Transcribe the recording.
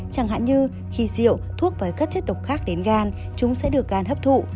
chẳng hạn như khi rượu thuốc với các chất độc khác đến gan chúng sẽ được gan hấp thụ